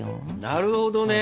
なるほどね。